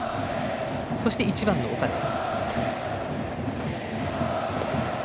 そして、１番の岡です。